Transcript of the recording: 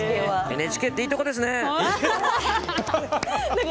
ＮＨＫっていいところですね！